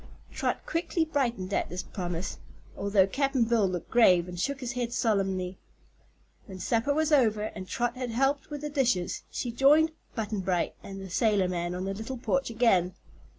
Trot quickly brightened at this promise, although Cap'n Bill looked grave and shook his head solemnly. When supper was over and Trot had helped with the dishes she joined Button Bright and the sailorman on the little porch again.